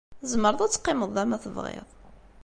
Tzemreḍ ad teqqimeḍ da ma tebɣiḍ.